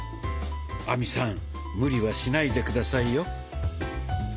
亜美さん無理はしないで下さいよ。